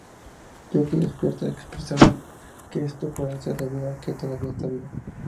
Jackie despierta expresando que esto puede ser debido a que todavía está viva.